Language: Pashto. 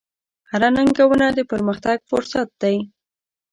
هره ننګونه د پرمختګ فرصت دی.